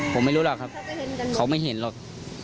ผมไม่รู้หรอกครับเขาไม่เห็นหรอก